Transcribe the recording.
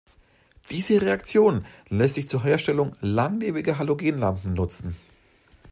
Diese Reaktion lässt sich zur Herstellung langlebiger Halogenlampen nutzen.